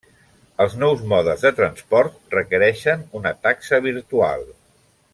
Els nous modes de transport requereixen una taxa virtual.